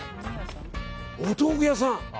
お豆腐屋さん。